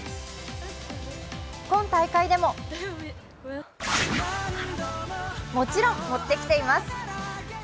今大会でももちろん持ってきています。